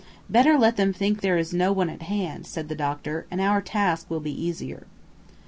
"Better let them think there is no one at hand," said the doctor, "and our task will be the easier."